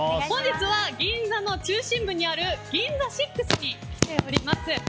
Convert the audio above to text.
本日は銀座の中心部にあるＧＩＮＺＡＳＩＸに来ております。